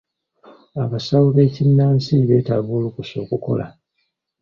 Abasawo b'ekinnansi beetaaga olukusa okukola.